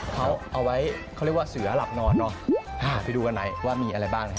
เขาเอาไว้เขาว่าเสือหลับนอนนะดูกันไหนว่ามีอะไรบ้างฮะ